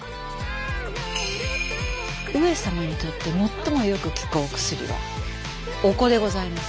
上様にとってもっともよく効くお薬はお子でございます。